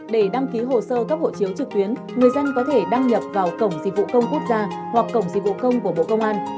để đăng ký hồ sơ cấp hộ chiếu trực tuyến người dân có thể đăng nhập vào cổng dịch vụ công quốc gia hoặc cổng dịch vụ công của bộ công an